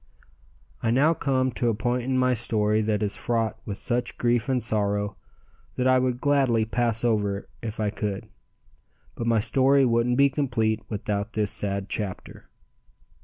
I now come to a point in my story that is fraught with such grief and sorrow that I would gladly pass over if I could, but my story wouldn't be complete without this sad chapter.